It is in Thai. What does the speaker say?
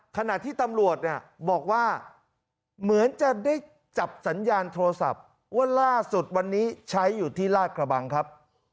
ขณะที่ตำรวจเนี่ยบอกว่าเหมือนจะได้จับสัญญาณโทรศัพท์ว่าล่าสุดวันนี้ใช้อยู่ที่ลาดกระบังครับ